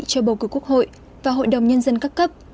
cho bầu cử quốc hội và hội đồng nhân dân các cấp